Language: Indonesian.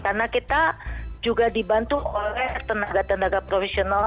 karena kita juga dibantu oleh tenaga tenaga profesional